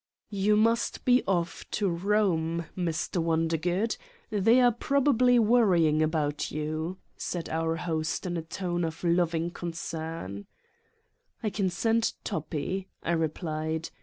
"You must be off to Kome, Mr. Wondergood. They are probably worrying about you," said our host in a tone of loving concern. "I can send Toppi/' I replied.